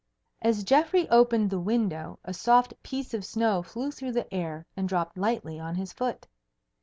As Geoffrey opened the window, a soft piece of snow flew through the air and dropped lightly on his foot.